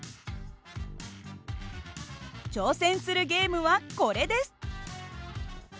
挑戦するゲームはこれです！